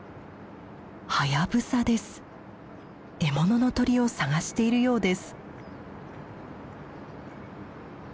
獲物の鳥を探しているようです。